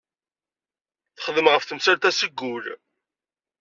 Texdem ɣef temsalt-a seg wul.